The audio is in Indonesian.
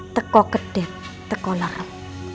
teko kedep teko lerut